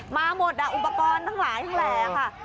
มาหมดอุปกรณ์ทั้งหลายทั้งแหล่ค่ะ